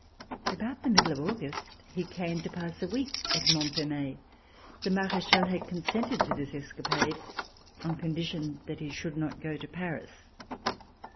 About the middle of August he came to pass a week at Montfermeil. The Marechal had consented to this escapade on condition that he should not go to Paris.